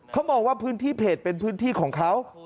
เขามองว่าพื้นที่เพจเป็นพื้นที่ของเขา